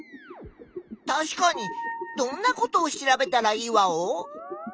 確かにどんなことを調べたらいいワオ？